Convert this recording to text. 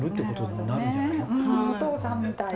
お父さんみたい。